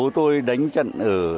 đó là tôi hạnh phúc nhất trên đời